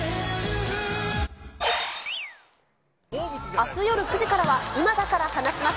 あす夜９時からは、今だから話します